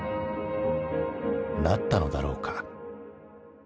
なったのだろうか。